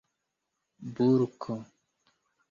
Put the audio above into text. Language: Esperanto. bulko